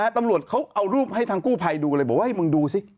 ตำรวจเขาเอารูปให้ทางกู้ภัยดูเลยบอกว่าให้มึงดูสิ